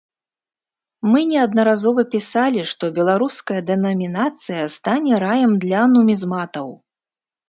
Мы неаднаразова пісалі, што беларуская дэнамінацыя стане раем для нумізматаў.